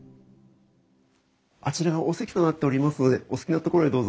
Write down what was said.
あちらがお席となっておりますのでお好きな所へどうぞ。